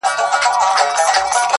خلاصوي سړی له دین او له ایمانه،